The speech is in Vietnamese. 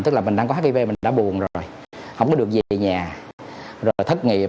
tức là mình đang có hiv mình đã buồn rồi không có được gì về nhà rồi thất nghiệp